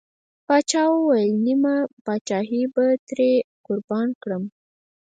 پاچا وويل: نيمه پاچاهي به ترې قربان کړم.